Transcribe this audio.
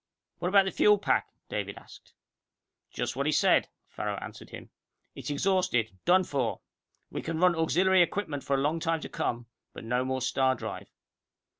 "What about the fuel pack?" David asked. "Just what he said," Farrow answered him. "It's exhausted. Done for! We can run auxiliary equipment for a long time to come, but no more star drive."